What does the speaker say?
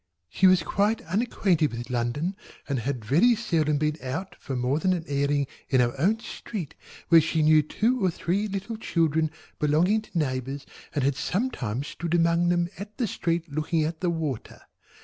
She was quite unacquainted with London and had very seldom been out for more than an airing in our own street where she knew two or three little children belonging to neighbours and had sometimes stood among them at the street looking at the water.